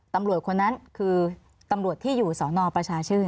ตำรวจคนนั้นคือตำรวจที่อยู่สนประชาชื่น